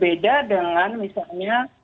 berbeda dengan misalnya